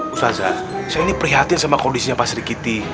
ustazah saya nih prihatin sama kondisinya pak sri kiti